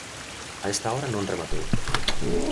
A esta hora non rematou.